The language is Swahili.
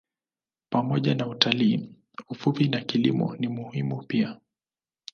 Pamoja na utalii, uvuvi na kilimo ni muhimu pia.